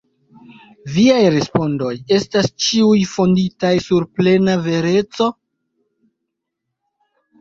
Viaj respondoj estas ĉiuj fonditaj sur plena vereco?